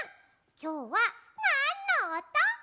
きょうはなんのおと？